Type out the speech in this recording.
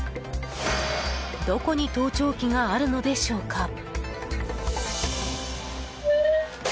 どこに盗聴器があるのでしょうか。